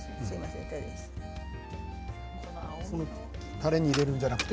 たれに入れるんじゃなくて？